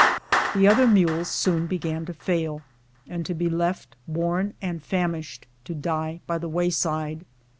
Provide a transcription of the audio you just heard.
The other mules soon began to fail, and to be left, worn out and famished, to die by the wayside.